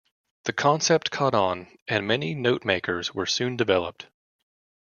The concept caught on, and many notemakers were soon developed.